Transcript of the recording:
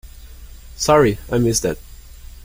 Sorry, I missed that.